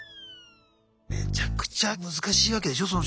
めちゃくちゃ難しいわけでしょ